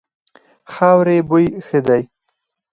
خاورې بوی ښه دی.